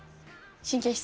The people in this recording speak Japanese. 神経質？